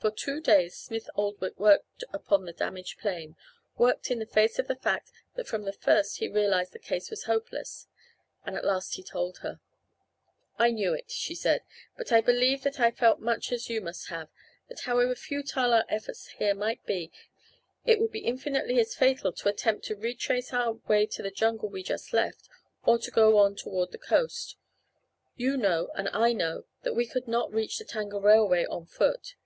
For two days Smith Oldwick worked upon the damaged plane worked in the face of the fact that from the first he realized the case was hopeless. And at last he told her. "I knew it," she said, "but I believe that I felt much as you must have; that however futile our efforts here might be, it would be infinitely as fatal to attempt to retrace our way to the jungle we just left or to go on toward the coast. You know and I know that we could not reach the Tanga railway on foot.